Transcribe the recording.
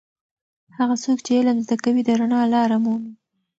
هغه څوک چې علم زده کوي د رڼا لاره مومي.